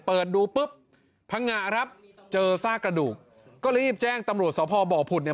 เปิดดูปุ๊บพังงะครับเจอซากกระดูกก็รีบแจ้งตำรวจสพบผุดเนี่ย